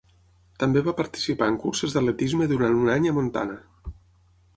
També va participar en curses d'atletisme durant un any a Montana.